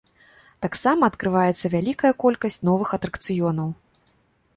Таксама адкрываецца вялікая колькасць новых атракцыёнаў.